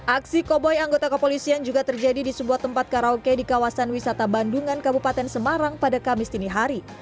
aksi koboi anggota kepolisian juga terjadi di sebuah tempat karaoke di kawasan wisata bandungan kabupaten semarang pada kamis dinihari